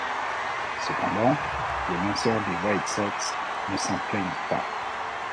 Cependant, les lanceurs des White Sox ne s'en plaignent pas.